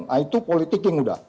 nah itu politik yang udah